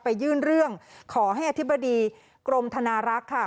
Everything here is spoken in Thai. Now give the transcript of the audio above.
ยื่นเรื่องขอให้อธิบดีกรมธนารักษ์ค่ะ